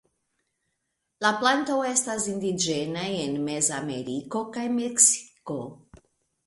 La planto estas indiĝena en Mezameriko kaj Meksiko.